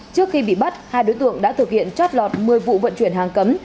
trước khi bị bắt hai đối tượng đã thực hiện chót lọt một mươi vụ vận chuyển hàng cấm